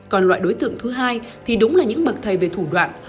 còn loại đối tượng thứ hai thì đúng là những bậc thầy về thủ đoạn